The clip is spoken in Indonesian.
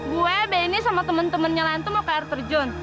gue beni sama temen temennya lain tuh mau ke air terjun